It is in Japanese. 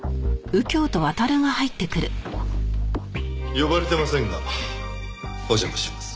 呼ばれてませんがお邪魔します。